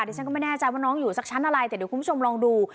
ดิฉันก็ไม่แน่ใจว่าน้องอยู่สักชั้นอะไรแต่เดี๋ยวคุณผู้ชมลองดู